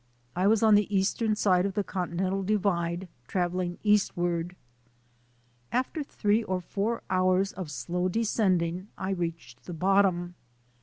I was on the extern side of the Continental Divide travelling eastward. After three or lour hours of slow descending I reached the bottom.